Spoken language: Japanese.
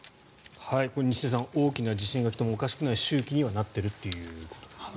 西出さん大きな地震が来てもおかしくはない周期になっているということですね。